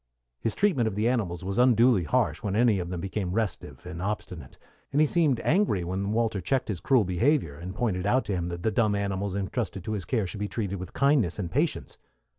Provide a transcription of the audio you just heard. His treatment of the animals was unduly harsh when any of them became restive and obstinate, and he seemed angry when Walter checked his cruel behavior, and pointed out to him that the dumb animals intrusted to his care should be treated with kindness and patience.